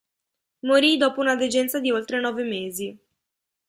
Morì dopo una degenza di oltre nove mesi.